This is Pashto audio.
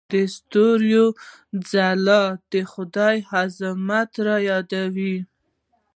د ستورو ځلا د خدای عظمت رايادوي.